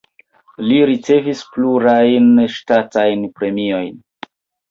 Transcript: Li ricevis plurajn ŝtatajn premiojn.